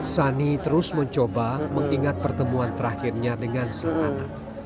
sani terus mencoba mengingat pertemuan terakhirnya dengan selamat